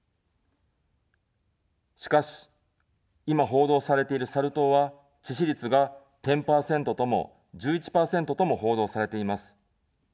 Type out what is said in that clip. しかし、今、報道されているサル痘は致死率が１０％とも、１１％とも報道されています。